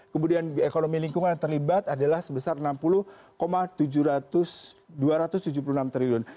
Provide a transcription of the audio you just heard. kemudian ekonomi lingkungan yang terlibat adalah sebesar enam puluh tujuh ratus tujuh puluh enam triliun